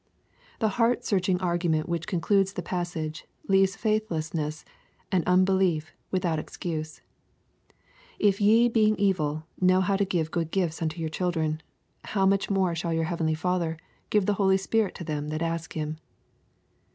— The heart searching argu ment which concludes the passage, leaves faithlessness and unbelief without excuse :" If ye being evil, know how to give good gifts unto your children : how much more shall your heavenly Father give the Holy Spirit to them that ask him.''